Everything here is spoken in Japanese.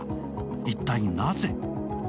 一体なぜ？